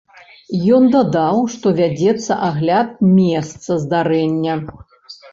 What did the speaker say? Ён дадаў, што вядзецца агляд месца здарэння.